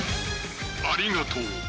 ［ありがとう。